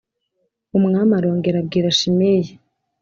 Umwami arongera abwira Shimeyi